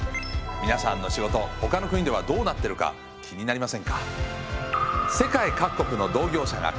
皆さんの仕事ほかの国ではどうなってるか気になりませんか？